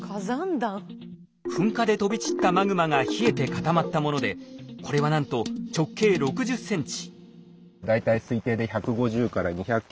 噴火で飛び散ったマグマが冷えて固まったものでこれはなんと直径６０ｃｍ。